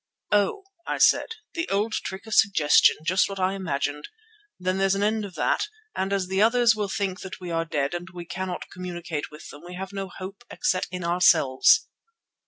"Oh!" I said, "the old trick of suggestion; just what I imagined. Then there's an end of that, and as the others will think that we are dead and we cannot communicate with them, we have no hope except in ourselves."